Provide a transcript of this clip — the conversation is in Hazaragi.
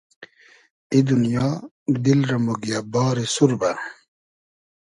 ای دونیا، دیل رۂ موگیۂ باری سوربۂ